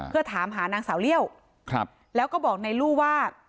เพื่อถามหานางสาวเลี่ยวแล้วก็บอกนายลู่ว่า